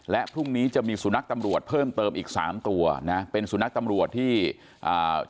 และพรุ่งนี้จะมีสุนัขตำรวจเพิ่มเติมอีกสามตัวนะเป็นสุนัขตำรวจที่อ่า